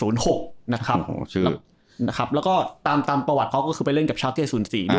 แล้วก็ตามตามประวัติเขาก็คือไปเล่นกับชาวเต้๐๔ด้วย